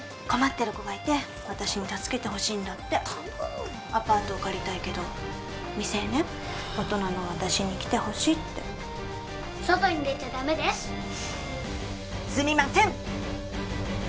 困ってる子がいて私に助けてほしいんだってアパートを借りたいけど未成年大人の私に来てほしいって外に出ちゃダメですすみません！